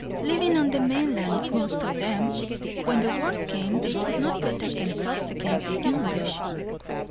"Living on the mainland, most of them. When the war came, they could not protect themselves against the English."